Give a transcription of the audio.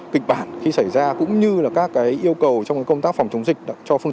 phương tiện khi xảy ra cũng như là các cái yêu cầu trong công tác phòng chống dịch cho phương